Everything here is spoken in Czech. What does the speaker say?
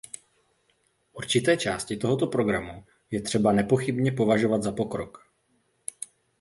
Určité části tohoto programu je třeba nepochybně považovat za pokrok.